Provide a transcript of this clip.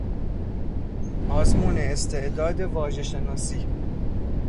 آزمون استعداد واژهشناسی